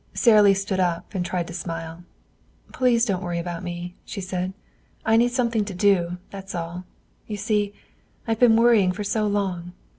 Sara Lee stood up and tried to smile. "Please don't worry about me," she said. "I need something to do, that's all. You see, I've been worrying for so long.